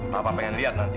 papa pengen lihat nanti